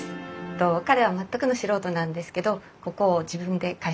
えと彼は全くの素人なんですけどここを自分で改修したんです。